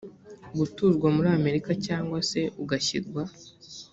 gutuzwa muri amerika cyangwa se ugashyirwa